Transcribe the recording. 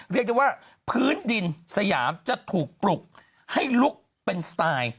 เรียกได้ว่าพื้นดินสยามจะถูกปลุกให้ลุกเป็นสไตล์